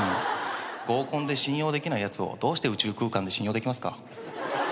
合コンで信用できないやつをどうして宇宙空間で信用できますか？